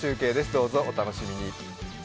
どうぞお楽しみに。